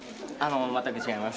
全く違います。